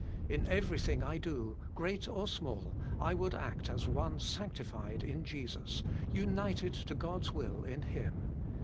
In everything I do, great or small, I would act as one sanctified in Jesus, united to God's will in Him.